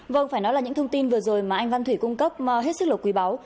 vâng phải nói là những thông tin vừa rồi mà anh văn thủy cung cấp hết sức là quý báu